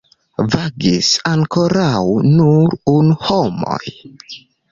Vagis ankoraŭ nur unu homo.